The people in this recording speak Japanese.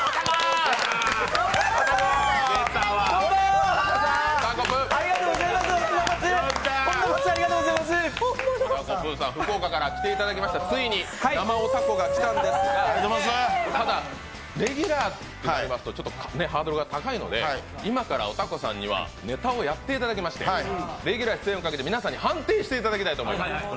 おたこぷーさん、福岡から来ていただきました、ついに生おたこが来ていただいんたですが、ただ、レギュラーとなりますとハードルが高いので今からおたこさんにはネタをやっていただきましてレギュラー出演を懸けて皆さんに判定していただきたいと思います。